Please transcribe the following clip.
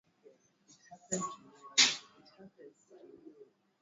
majani ya viazi vya lishe hutumika kama mboga